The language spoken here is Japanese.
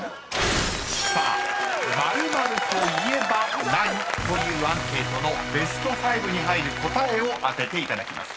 ［さあ○○といえば何？というアンケートのベスト５に入る答えを当てていただきます］